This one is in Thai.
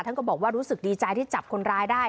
ก็บอกว่ารู้สึกดีใจที่จับคนร้ายได้